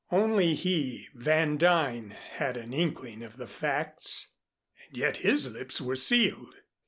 Only he, Van Duyn, had an inkling of the facts, and yet his lips were sealed.